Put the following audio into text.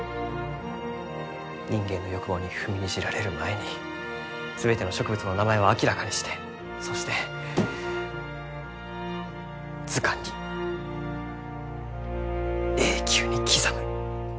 人間の欲望に踏みにじられる前に全ての植物の名前を明らかにしてそして図鑑に永久に刻む。